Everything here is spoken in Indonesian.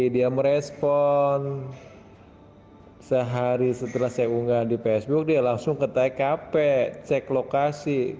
dia merespon sehari setelah saya unggah di facebook dia langsung ke tkp cek lokasi